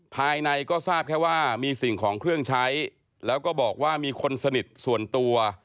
ภายในก็ทราบแค่ว่ามีสิ่งของเครื่องใช้แล้วก็บอกว่ามีคนสนิทส่วนตัว